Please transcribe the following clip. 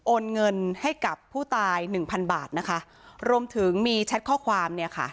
โอนเงินให้กับผู้ตายหนึ่งพันบาทนะคะรวมถึงมีแชทข้อความเนี่ยค่ะ